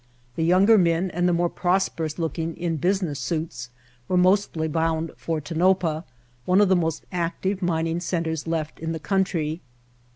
The younger men, and the more prosperous look ing in business suits were mostly bound for Ton opah, one of the most active mining centers left in the country.